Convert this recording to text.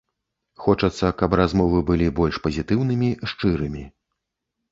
Хочацца, каб размовы былі больш пазітыўнымі, шчырымі.